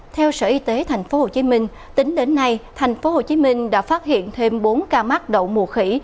theo sở y tế tp hcm tính đến nay tp hcm đã phát hiện thêm bốn ca mắc đậu mùa khỉ